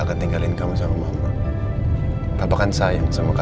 nah kita sama dua terus ya pak